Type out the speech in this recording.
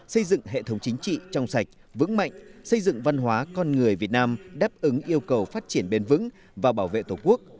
xây dựng hệ thống chính trị trong sạch vững mạnh xây dựng văn hóa con người việt nam đáp ứng yêu cầu phát triển bền vững và bảo vệ tổ quốc